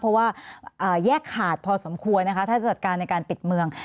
เพราะว่าแยกขาดพอสมควรนะคะถ้าจะจัดการในการปิดเมือง